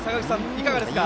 いかがですか？